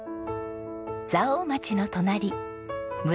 蔵王町の隣村